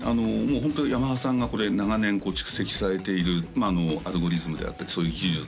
ホントヤマハさんが長年蓄積されているアルゴリズムであったりそういう技術